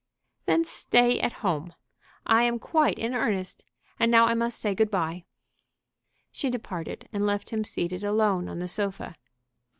"Then stay at home. I am quite in earnest. And now I must say good bye." She departed, and left him seated alone on the sofa.